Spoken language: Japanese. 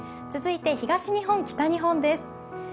続いて東日本、北日本です。